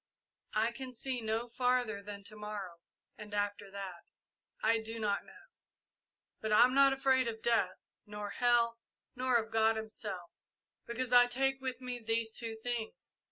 I can see no farther than to morrow, and after that I do not know. But I'm not afraid of death, nor hell, nor of God Himself, because I take with me these two things.